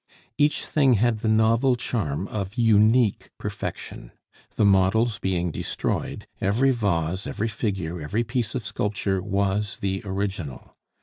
Each thing had the novel charm of unique perfection. The models being destroyed, every vase, every figure, every piece of sculpture was the original.